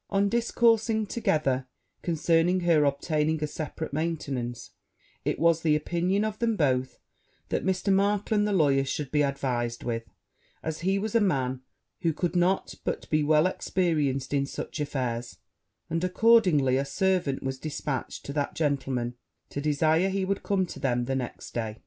On discoursing together concerning her obtaining a separate maintenance, it was the opinion of both of them, that Mr. Markland the lawyer should be advised with, as he was a man who could not but be well experienced in such affairs; and accordingly a servant was dispatched to that gentleman, to desire he would come to them the next day.